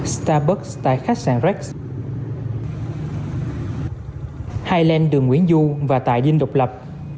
starbucks tại khách sạn rex highland đường nguyễn du và tài vinh độc lập